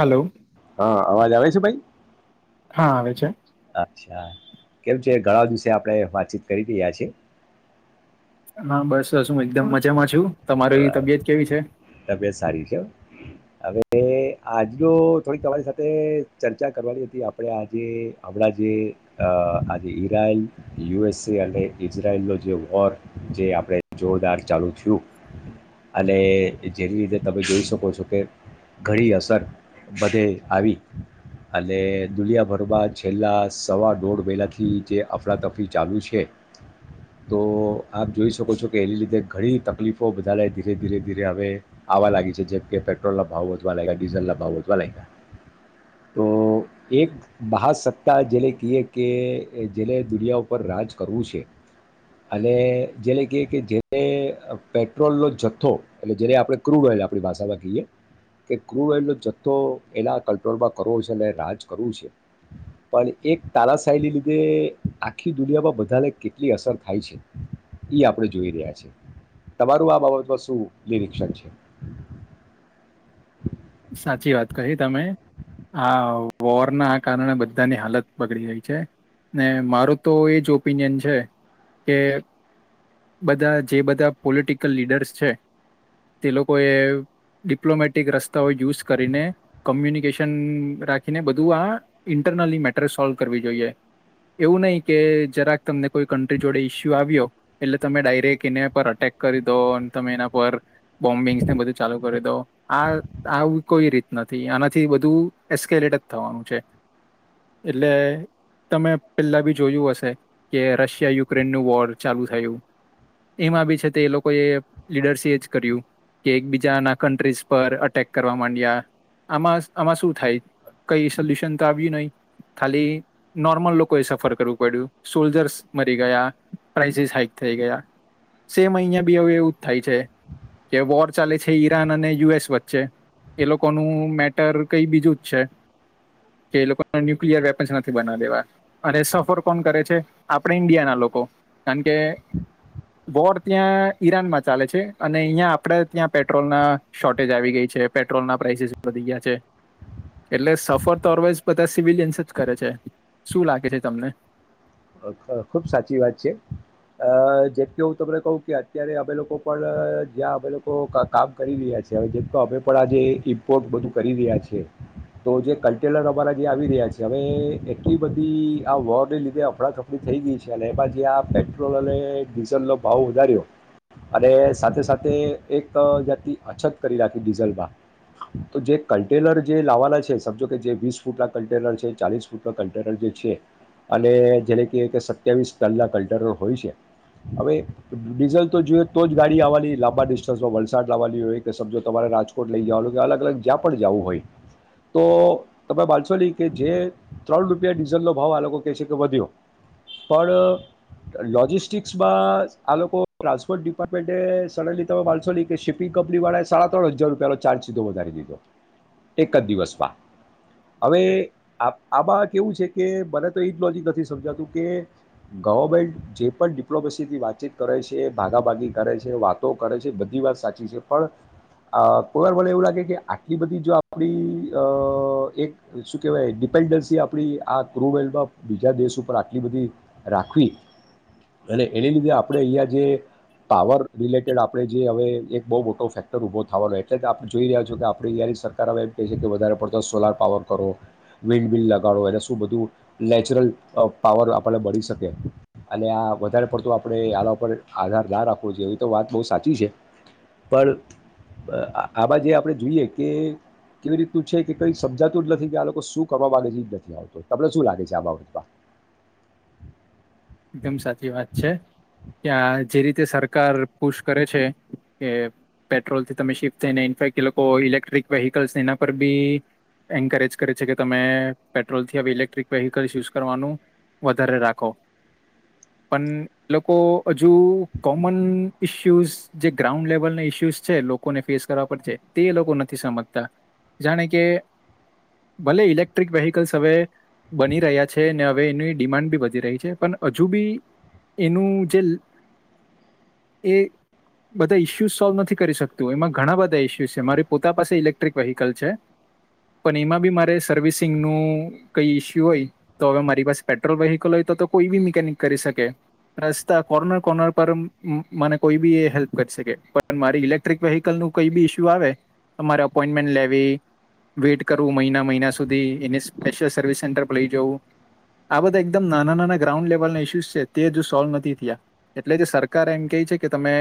Hello હા અવાજ આવે છે ભાઈ. હા આવે છે. અચ્છા કેમ છે ઘણા દિવસે આપડણે વાતચીત કરી રહ્યા છીએ. હા બસસ હું એકદમ મજામાં છું. તમારી તબિયત કેવી છે તબિયત સારી છે હવે. એ આજ જો થોડીક તમારી સાથે ચર્ચા કરવાની હતી આપણે આજે હમણાં જે આજે ઈરાયલ યુ એસએ અને ઈઝરાયલનો જે વૉર જે આપણે જોરદાર ચાલુ થયું. અને જેની રીધે તમે જોઈ શકો છો કે ઘણી અસર બધે આવી અને દુનિયાભરમાં છેલ્લા સવા દોઢ વહેલાથી જે અફડાતફરી ચાલુ છે તો આપ જોઈ શકો છો કે એની લીધે ઘણી તકલીફ તો વધાને ધીરે ધીરે ધીરે હવે આવવા લાગી છે જેમ કે પેટ્રોલના ભાવ વધવા લાગ્યા ડીઝલના ભાવ વધવા લાગ્યા તો એક મહાસત્તા જેલે કહીએ કે જેને દુનિયા ઉપર રાજ કરવું છે અને જેલે કહીએ કે જે પેટ્રોલનો જથ્થો એટલે જ્યારે આપણે ક્રૂડ ઓઇલ આપણી ભાષામાં કહીએ કે ક્રૂડ ઓઇલનો જથ્થો એના કંટ્રોલમાં કરવો છે અને રાજ કરવો છે પણ એક તાલાશાહીને લીધે આખી દુનિયામાં બધાને કેટલી અસર થાય છે એ આપણે જોઈ રહ્યા છે. તમારું આ બાબતમાં શું નિરીક્ષક છે. સાચી વાત કહી તમે આ વોરના કારણે બધાની હાલત બગડી રહી છે ને મારો તો એજ ઓપિનિયન છે કે બધા જે બધા પોલિટિકલ લીડર્સ છે તે લોકો એ ડિપ્લોમેટિક રસ્તા યુઝ કરીને કોમ્યુનિકેશન રાખીને બધું આ ઇન્ટરનલી મેટર સોલ્વ કરવી જોઈએ એવું નહી કે જરાક તમને કોઈ કન્ટ્રી જોડે ઈસ્યુ આવ્યો એટલે તમે ડાયરેક્ટ એના પર અટેક કરી દો અને તમે એના પર બોમ્બિંગસને બધું ચાલુ કરી દો આ. આવ કોઈ રીત નથી આનાથી બધું એસ્કેલેટ જ થવાનું છે એટલે તમે પહેલા બી જોયું હશે કે રશિયા યુક્રેનનું વોર ચાલુ થયું એમાં બી છે તે એ લોકોએ લીડરસી જ કર્યું કે એકબીજાના કન્ટ્રીઝ પર અટેક કરવામાંડ આમાં આમાં શું થાય કઈ સોલ્યુશન તો આવ્યું નહી ખાલી નોર્મલ લોકો એ સફર કરવું પડ્યું સોલ્જર્સ મરી ગયા પ્રઇઝસ હાઈક થઈ ગયા સેમ અહિયાં બી હવે એવું જ થાય છે કે વોર ચાલે છે ઈરાન અને યુ એસ વચ્ચે એ લોકોનું મેટર કઈ બીજું જ છે કે એ લોકોને ન્યુક્લયર વેપન્ નથી બના દેવા અને સફર કોણ કરે છે આપણે ઈન્ડિયા ના લોકો કારણ કે વોર ત્યાં ઈરાનમાં ચાલે છે અને અહીં આપડ ત્યાં પેટ્રોલ ના શોર્ટેજ આવી ગઈ છે. પેટ્રોલના પ્રાઇસીસ વધી ગયા છે એટલે સફર તોરવાઈઝ બધા સિવિલિયન્સ જ કરે છે શું લાગે છે તમને? ખુબ સાચી વાત છે અ જે કે હું તમને કહ કે અત્યારે અમે લોકો પણ જ્યાં અમે લોકો કામ કરી રહ્યા છે જે અમે પણ આજ ઇમ્પોર્ટ બધું કરી રહ્યા છે તો જે કલટેેલર અમારા જે આવી રહ્યા છે હવે એટલી બધી આ વોર ને લીધે ફફડાફફડી થઈ ગઈ છે અને એમાં જે આ પેટ્રોલ અને ડીઝલનો ભાવ વધાર્યો અને સાથે સાથે એક જા્યાથી અછત કરી રાખી ડીઝલમાં તો જે કન્ટેનર જે લાવવાના છે સમજો કે જે વીસ ફૂટલા કન્ટેનર છે ચાલીસ ફૂટલા કન્ટેનર જે છે અને જેને ક કે સત્યાવીસ કલાક કટરોલ હોય છે હવે ડીઝલ તો જોઈએ તો જ ગાડી આવવાની લાંબા ડિસ્ટન્સમાં વલસાડ લાવવાની હોય કે સમજો તમારે રાજકોટ લઈ જવાનું કે અલગ અલગ જ્યાં પણ જવું હોય તો તમે બાંધસોલી કે જે ત્રણ રૂપિયા ડીઝલનો ભાવ આ લોકો કહે છે કે વધ્યો પણ લોજિસ્ટિક્સમાં આ લોકો ટ્રાન્સપોર્ટ ડિપાર્ટમેન્ટ સડનલી તમે વાણસો કે શિપિંગ કંપની વાળાએ સાડા ત્રણ હજાર રૂપિયાનો ચાર્જ સીધો વધારી દીધો એક જ દિવસમાં હવે આપ આમાં કેવું છે કે મને તો એઈજ લોજિક નથી. ગવર્મેન્ટ જે પણ ડિપ્લોમસીથી વાતચીત કરે છે ભાગાભાગી કરે છે વાતો કરે છે બધી વાત સાચી છે પણ કોઈ વાર મને એવું લાગે કે આટલી બધી જો આપણી એક શું કેહેવાય ડિપેન્ડન્સી આપ આ ક્રુવેલમાં બીજા દેશર ઉપ આટલી બધી રાખવી અને એને લીધે આપણે અહીંયા જે પાવર રિલેટેડ આપણે જે હવે એક બહુ મોટો ફેક્ટર ઊભો થવાનો એટલે આપણે જોઈ રહ્યા છો કે આપણે અહીંયા સરકાર એમ ક છે કે વધારે પડતો સોલાર પાવર કરો વિન્ડ બિલ લ ગાળો એટલે શું બધું નેચરલ પાવર આપણને મળી શકે અને આ વધારે પડતો આપણે આના ઉપર આધાર ના રાખવો જોઈએ એવી તો વાત બહુ સાચી છે પણ આમાં જે આપણે જોઈએ કે કેવી રીતનું છે કે કંઈ સમજાતું જ નથી કે આ લોકો શું કરવા માગે છે જ નથી આવતો તમને શું લાગે છે આ બાબતમાં. એકદમ સાચી વાત છે. ત્યા જે રીતે સરકાર પુશ કરે છે કે પેટ્રોલથી તમે શિફ્ટ થઈને ઇફેક એ લોકો ઇલેક્ટ્રિક વેહકલ્સ એના પર બી એન્કરેજ કરે છે કે તમે પેટ્રોલથી હ ઇલેક્ટ્રિક વેહકલ્ યુઝ કરવાનું વધારે રાખો. પણ એ લોકો હજુ કોમન ઇશ્યુઝ જે ગ્રાઉન્ડ લેવલ ઇશ્યુસ છે લોકોને ફેસ કરવા પર તે એ લોકો નથી સમજતા જાણે કે ભલે ઇલેક્ટ્રિક વેહકલ્સ હવે બની રહ્યા છે અને હવે એની ડિમાન્ડ બી વધી રહી છે. પણ હજુ બી એનું જે એ બધા ઇશ્યુઝ સોલ્વ નથી કરી શકતું એમાં ઘણા બધા ઇશ્યુઝ છે મારી પોતા પાસે ઇલેક્ટ્રિક વ્હીકલ છે પણ એમાં બી મારે સર્વિસિંગનું કઈ ઇશ્યુ હોય તો હવે મારી પાસે પેટ્રોલ વ્હીકલ હોય તો તો કોઈ બી મિકેનિક કરી શકે રસ્તા કોર્નર કોર્નર પર મને કોઈ બી એ હેલ્પ કરી શકે પણ મારી ઇલેક્ટ્રિક વેહીકલ ન કોઈ બી ઇસ્યુ આવે મારે અપોઈન્ટમેન્ટ લેવી વેટ કરવું મહિના મહિના સુધી એ સ્પેશિયલ સર્વિસ સેન્ટર પર લઈ જવું આ બધા એકમ નાના ગ્રાઉન્ડ લેવલ ના ઇશ્યુ છે તે હજુ સોલ્વ નથી થયા એટલે સરકારે એમ કહી છે કે તમે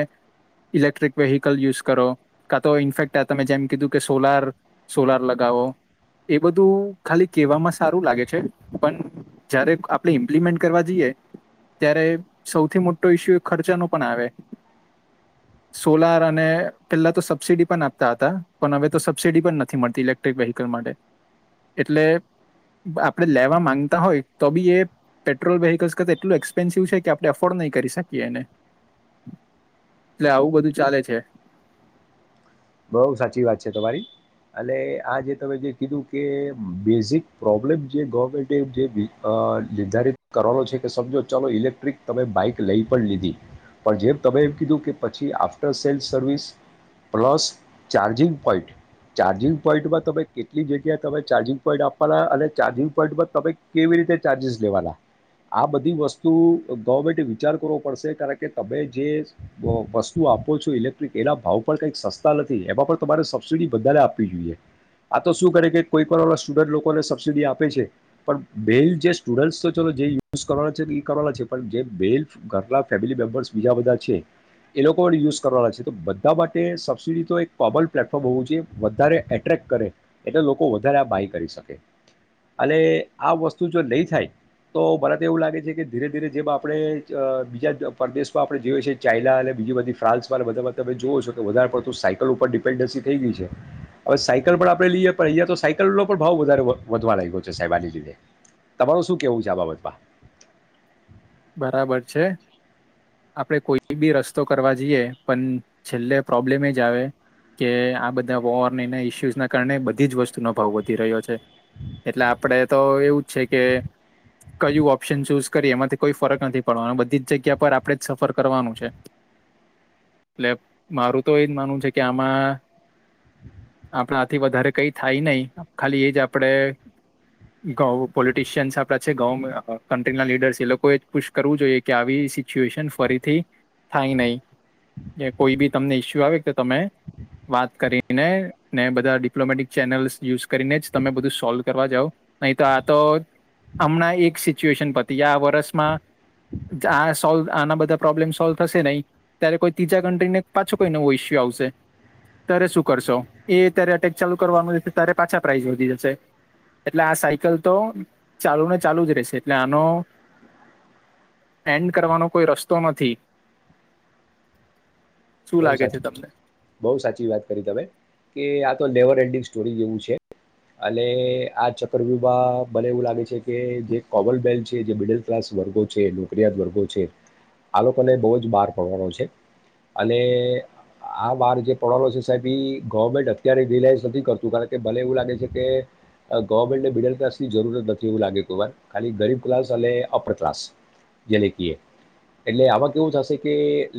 ઇલેક્ટ્રિક વેહકલ યુઝ કરો કા તો ઇફેક્ટ તમે જેમ કીધું કે સોલાર સોલાર લગાવો એ બધું ખાલી કહેવામાં સારું લાગે છે પણ જયારે આપણે ઇમ્પ્લિમેન્ટ કરવા જઈએ ત્યારે સૌથી મોટો ઇસ્યુ ખર્ચાનો પણ આવે સોલાર અને પેલા તો સબસિડી પણ આપતા હતા પણ હવે તો સબસિડી પણ નથી મળતી ઇલેક્ટ્રિક વેહકલ માટે એટલે આપણે લેવા માંગતા હોય તો બી એ પેટ્રોલ વેહકલ્સ કર એટલું એક્સપેન્સિવ છે કે આપણે એફોર્ડ નહી કરી શકીએ એને એટલે આવું બધું ચાલે છે. બઉ સાચી વાત છે તમારી અને આ જે તમે જે કીધું કે બેઝિક પ્રોબ્લેમ જે ગવર્મેન્ટ જે અ નિર્ધારિત કરવાનો છે કે સમજો ચાલો ઇલેક્ટ્રિક તમે બાઈક લઈ પણ લીધી પણ જેમ તમે એમ કીધું કે પછી after sales service plus charging point charging પોઈન્ટમાં તમે કેટલી જગ્યા તમે ચાર્જિંગ પોઈન્ટ આપવાના અને ચાર્જિંગ પોઈન્ટમાં તમે કેવી રીતે ચાર્જિસ લેવાના આ બધી વસ્તુ ગવર્મેન્ટ વિચાર કરવો પડશે કારણ કે તમે જે વસ્તુ આપો છો ઇલેક્ટ્રિક એના ભાવ પણ કંઈક સસ્તા નથી એમાં પણ તમારે સબસિડી બધાને આપવી જોઈએ આ તો શું કરે કે કોઈ પણ સ્ટુડન્ટ લોકોને સબસિડી આપે છે પણ બેલ જે સ્ટુડન્ટસ તો ચલો જે યુઝ કરવાના છે એ કરવાના છે પણ જે બેિલ ઘરના ફેમિલી મેમ્બર્સ બીજા બધા છે એ લોકો પણ યુઝ કરવાના છે તો બધા માટે સ સ તો એક કોમન પ્લેટફોર્મ હોવું જોઈએ વધારે એટ્રેક્ટ કરે એટલે લોકો વધારે આ બાય કરી શકે અને આ વસ્તુ જો નહીં થાય તો મને તો એવું લાગે છે કે ધીરે ધીરે જે આપણે બીજા પરદેશમાં આપણે જોઈએ છીએ ચાાઈના અને બીજી બધી ફ્રાન્સમાં બધા તમે જોઓ છો કે વધારે સાયકલ ઉપર ડિપેન્ડન્સી થઈ ગઈ છે હવે સાયકલ પણ આપે લઈએ પણ અહંયા તો સાયકલનો પણ ભાવ વધ વધવા લાગયો છે સાહેબ આની લીધે તમાર શું કેવું છે આ બાબતમાં. બરાબર છે આપડે કોઈ બી રસ્તો કરવા જઈએ પણ છેલ્લે પ્રોબ્લેમ એ જ આવે કે આ બધા વોર એના ઇસ્યુઝ ના કારણે બધી જ વસ્તુનો ભાવ વધી રહ્યો છે એટલે આપડે તો એવું જ છે કે કયું ઓપ્શન ચૂઝ કરીએ એમાંથી કોઈ ફરક નથી પડવા બધી જ જગ્યા પર આપણેે જ સફર કરવાનું છે એટલે મારું તો એ જ માનવું છે કે આમાં આપણા થી વધારે કઈ થાય નહી ખાલી એ જ આપણે ગૌ પોલિટશિયન્સ આપણાચાર કન્ટ્રી ના લીડર્ છે એ લોકો કોઈ પણ પુશ કરવું જોઈએ કે આવી સિચ્યુએશન ફરીથી થાય નહી કોઈ બી તમને ઇસ્યુ આવે તો તમે વાત કરીને ને બધા ડિપ્લોમેટિક ચેનલ્સ યુઝ કરીને જ તમે બધું સોલ્વ કરવા જાવ નહીં તો આ તો હમણાં એક સિચ્યુએશન પતિ આ વર્ષ. આ સોલ આના બધા પ્રોબ્લેમ સોલ્વ થશે નહી ત્યારે કોઈ ત્રીજા કન્ટ્રીને પાછો કોઈ નવો ઈસ્યુ આવશે ત્યારે શું કરશો એ અતિયારે અટેક ચાલુ કરવાનું રહે ત્યારે પાછા પ્રાઇઝ વધી જશે એટલે આ સાયકલ તો ચાલુને ચાલુ જ રહેશે એટલે આનો એન્ડ કરવાનો કોઈ રસ્તો નથી. શું બ લાગે સા છે તમને બહ સાચી વાત કરી તમે કે આ તો નેવર એનડિંગ જેવું છે અને આ ચક્રવવાહ મને એવું લાગે છે કે જે કોવલ બેન્ચ જે મિડલક્લાસ વર્ગો છે નોકરીિયાત વર્ગો છે આ લોકોને બહુ જ બહાર પડવાનો છે અને આ વાર જે પડનો છે સાહેબ એ ગવર્મેન્ટ અત્યારે રિલાઇઝ નથી કરતું કારણ કે મલે એવું લાગે છે કે ગવર્મેન્ટને મિડલ ક્લાસની જરૂરત નથી એવું લાગે કોઈ વાર ખાલી ગરીબ ક્લાસ અને અપર ક્લાસ જેને કએ એટલે આમાં કેવું થશે કે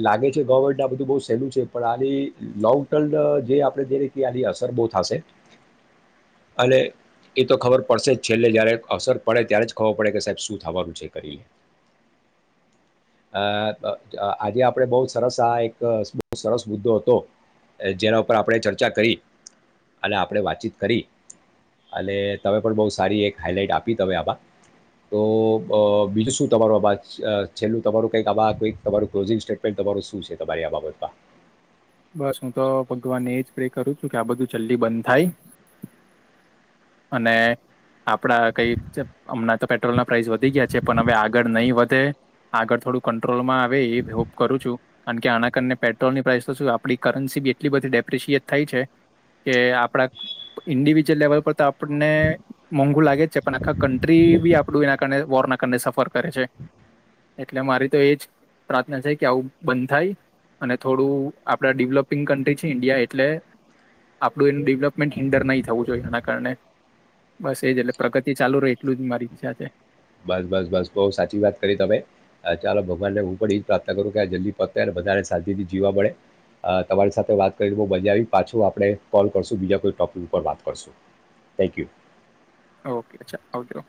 લાગે છે ગવર્મેન્ટ સલું છે પણ આંવિ લોન્ગટન જે આપણે જેની અસર બો થશે અને એ તો ખબર પડશે જ છેલ્લે જયારે અસર પડે ત્યારે જ ખબર પડે કે સાબ શું થવાનું છે કરીને અ અ આજે આપણે બહ સરસ આ એક એક બહુ સરસ મુદ્દો હતો જેના ઉપર આપણે ચર્ચા કરી અને આપણે વાતચીત કરી અને તમે પણ બહુ સારી એક હાાઈલાઈટ આપી તમે આમાં તો બીજું શું તમારું આમાં છેલ્લું તમારું કંઈક આ કોઈક તમારું ક્લોઝિંગ સ્ટેટમેન્ટ તમારું શું છે તમારી આ બાબત મા બસ હું તો ભગવાનને એજ પ્રે કરું છું કે આ બધું જલ્દી બંધ થાય અને આપડા કઈ હમણાં તો પેટ્રોલના પ્રાઇસ વધી ગયા છે પણ હવે આગળ નહીં વધે આગળ થોડું કંટ્રોલ કેન્ટ્રીલ મા આવે એવિ હોપ કરું છું કારણ કે આના કારણે પેટ્રોલની પ્રાઇસ તો શ આપડી કરન્સી બી એટલી બધી ડેપ્રિશિએટ થાય છે કે આપડા ઇન્ડિવિજ્યુઅલ લેવલ પર તો આપણને મોંઘુ લાગે પણ આખા કન્ટ્રી બી આપડું વોર ના કાર સફર કરે છે એટલે મારી તો એ જ પ્રાર્થના છે કે આવું બંધ થાય અને થોડું આપડા ડેવલોપિંગ કન્ટ્રી છે ઈન્ડિયા એટલે આપણું એનું ડેવલપમેન્ટ હિન્ડર નહી થવું જોઈએ એના કારણે બસ એજ એટલે પ્રગતિ ચાલુ રહે એટલું જ મારી ઈચ્છા છે બસ બસ બસ બહુ સાચી વાત કરી તમે ચાલો ભગવાનને હું પણ એ જ પ્રાર્થના કરું કે આ જલ્દી પતે અનેને બધાને શાંતિથી જીવા મળે અ તમારી સાથે વાત કરીને બહુ મજા આવી પાછું આપણે કોલ કરશું બીજા કોઈ ટોપિક ઉપર વાત કરશું થેન્કયુ ઓકે અછા આવજો